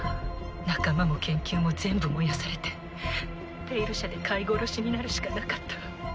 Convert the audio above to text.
仲間も研究も全部燃やされて「ペイル社」で飼い殺しになるしかなかった。